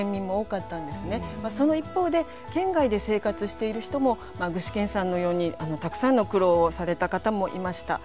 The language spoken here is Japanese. その一方で県外で生活している人も具志堅さんのようにたくさんの苦労をされた方もいました。